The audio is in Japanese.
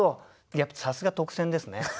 やっぱさすが特選ですね。